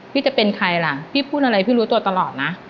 พี่จะเป็นใครล่ะพี่พูดอะไรพี่รู้ตัวตลอดนะ